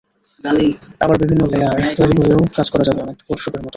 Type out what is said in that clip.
আবার বিভিন্ন লেয়ার তৈরি করেও কাজ করা যাবে, অনেকটা ফটোশপের মতো।